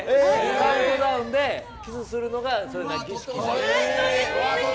カウントダウンでキスするのが。